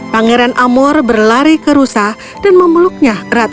pangeran amor berlari ke rusa dan memeluknya erat erat